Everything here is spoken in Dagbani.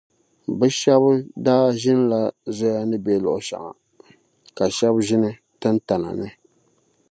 Bɛ shɛb’ daa ʒinila zoya ni be luɣ’ shɛŋa, ka shɛb’ ʒini tintana ni.